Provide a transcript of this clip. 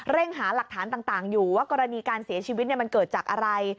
หาหลักฐานต่างอยู่ว่ากรณีการเสียชีวิตมันเกิดจากอะไร